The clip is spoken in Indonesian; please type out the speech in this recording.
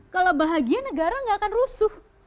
kalau bahagia negara nggak akan rusuh